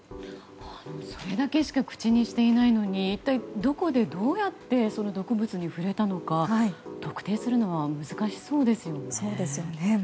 それだけしか口にしていないのに一体どこでどうやって毒物に触れたのか特定するのは難しそうですよね。